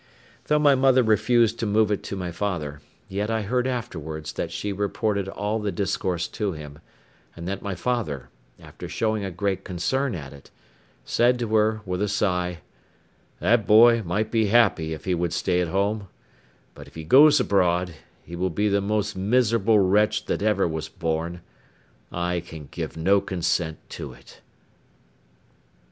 Though my mother refused to move it to my father, yet I heard afterwards that she reported all the discourse to him, and that my father, after showing a great concern at it, said to her, with a sigh, "That boy might be happy if he would stay at home; but if he goes abroad, he will be the most miserable wretch that ever was born: I can give no consent to it."